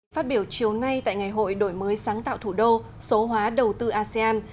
phát biểu chiều nay tại ngày hội đổi mới sáng tạo thủ đô số hóa đầu tư asean